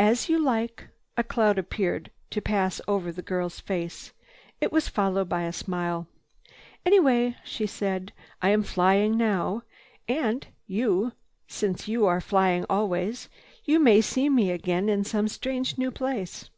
"As you like." A cloud appeared to pass over the girl's face. It was followed by a smile. "Anyway," she said, "I am flying now. And you, since you are flying always, you may see me again in some strange new place.